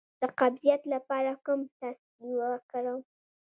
د قبضیت لپاره کوم څاڅکي وکاروم؟